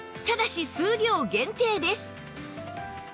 ただし数量限定です